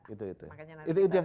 itu itu itu